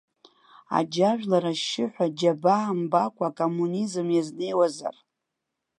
Аџьажәлар ашьшьыҳәа џьабаа мбакәа акоммунизм иазнеиуазар.